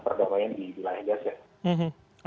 perdamaian di wilayah gaza